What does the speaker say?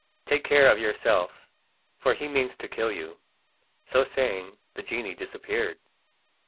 Take care of yourself, for he means to kill you." So saying the genie disappeared.